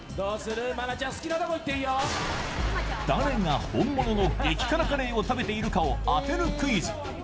誰が本物の激辛カレーを食べているか当てるクイズ。